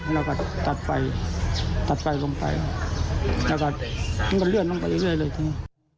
แล้วก็ตัดไฟตัดไฟลงไปแล้วก็แล้วก็เลื่อนลงไปเรื่อยเรื่อยเลย